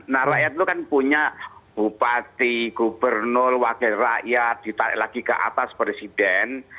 nah rakyat itu kan punya bupati gubernur wakil rakyat ditarik lagi ke atas presiden